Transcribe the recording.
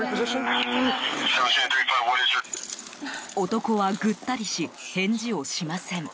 男はぐったりし返事をしません。